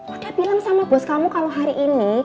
oke bilang sama bos kamu kalau hari ini